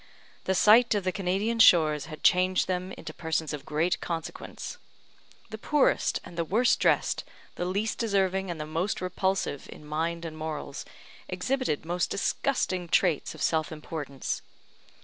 The sight of the Canadian shores had changed them into persons of great consequence. The poorest and the worst dressed, the least deserving and the most repulsive in mind and morals, exhibited most disgusting traits of self importance.